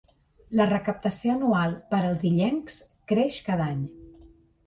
La recaptació anual per als illencs creix cada any.